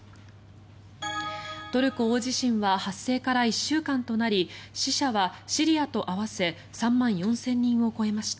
トルコ大地震は発生から１週間となり死者はシリアと合わせ３万４０００人を超えました。